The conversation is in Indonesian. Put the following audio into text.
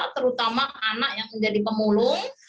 terutama anak yang menjadi pemulung